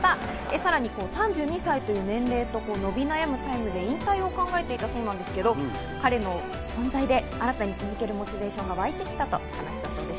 さらに３２歳という年齢、伸び悩むタイムで引退を考えていたそうなんですけど、彼の存在で新たに続けるモチベーションが沸いてきたということです。